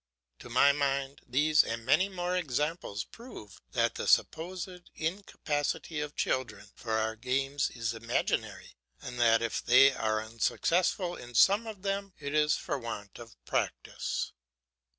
To my mind, these and many more examples prove that the supposed incapacity of children for our games is imaginary, and that if they are unsuccessful in some of them, it is for want of practice.